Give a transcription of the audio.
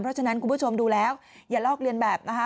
เพราะฉะนั้นคุณผู้ชมดูแล้วอย่าลอกเรียนแบบนะคะ